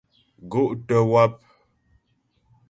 Gó' tə́ wáp.